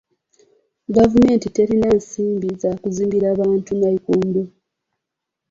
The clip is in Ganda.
Gavumenti terina nsimbi za kuzimbira bantu nayikondo.